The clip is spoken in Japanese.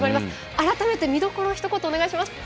改めて、見どころお願いします。